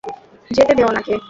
যেতে দে ওনাকে।